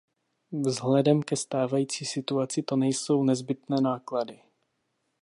Vzhledem ke stávající situaci to nejsou nezbytné náklady.